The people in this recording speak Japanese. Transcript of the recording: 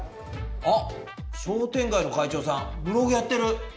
あっ商店街の会長さんブログやってる！